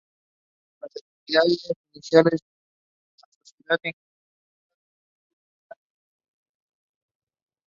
He then returned to his university department.